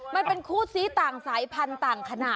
มันเป็นคู่ซี้ต่างสายพันธุ์ต่างขณะ